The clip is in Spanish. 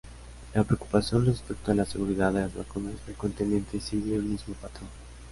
La preocupación respecto a la seguridad de las vacunas frecuentemente sigue un mismo patrón.